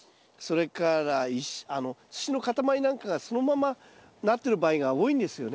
それから土の塊なんかがそのままなってる場合が多いんですよね。